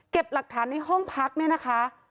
หลักฐานในห้องพักเนี่ยนะคะ